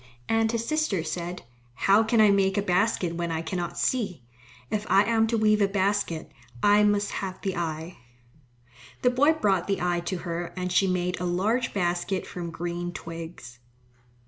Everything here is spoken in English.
And his sister said, "How can I make a basket when I cannot see? If I am to weave a basket, I must have the eye." The boy brought the eye to her and she made a large basket from green twigs.